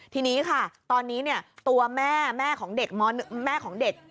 ทีนี้ตอนนี้ตัวแม่ของเด็ก